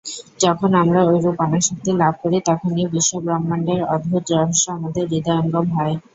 যখন আমরা ঐরূপ অনাসক্তি লাভ করি, তখনই বিশ্বব্রহ্মাণ্ডের অদ্ভুত রহস্য আমাদের হৃদয়ঙ্গম হয়।